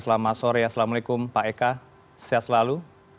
selamat sore assalamualaikum pak eka sehat selalu